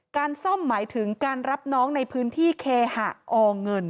การซ่อมหมายถึงการรับน้องในพื้นที่เคหะอเงิน